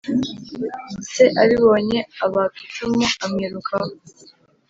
Se abibonye abaka icumu amwirukaho,